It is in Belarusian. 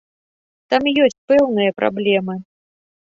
Там ёсць пэўныя праблемы.